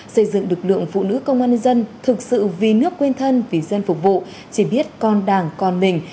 xây dựng lực lượng phụ nữ công an nhân dân thực sự vì nước quên thân vì dân phục vụ chỉ biết con đảng con mình